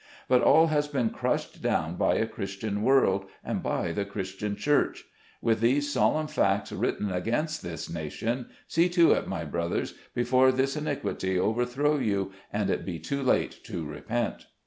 But all has been crushed down by a Christian world, and by the Christian Church. With these solemn facts written against this nation, see to it, my readers, before this iniquity overthrow you, and it be too late to repent.